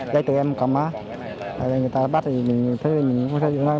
dây tựa em cầm á bây giờ người ta bắt thì mình không thể dùng